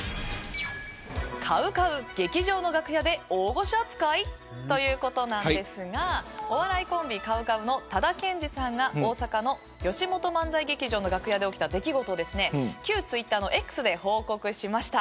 ＣＯＷＣＯＷ、劇場の楽屋で大御所扱いということなんですがお笑いコンビ、ＣＯＷＣＯＷの多田健二さんが大阪の吉本漫才劇場の楽屋で起きた出来事を旧ツイッターのＸで報告しました。